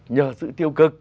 nhờ sự tiêu cực